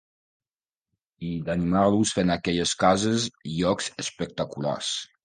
I d'animar-los fent aquelles cases llocs espectaculars.